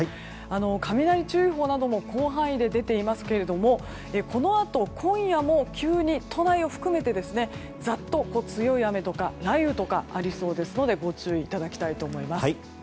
雷注意報なども広範囲で出ていますがこのあと、今夜も都内を含めて急にザッと強い雨とか雷雨とかありそうですのでご注意いただきたいと思います。